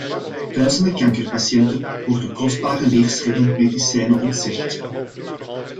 Duizenden kankerpatiënten worden kostbare levensreddende medicijnen ontzegd.